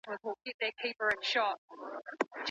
د اتڼ کړۍ نه ماتیږي.